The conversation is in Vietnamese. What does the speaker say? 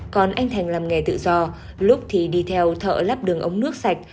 còn anh thành làm nghề tự do lúc thì đi theo thợ lắp đường ống nước sạch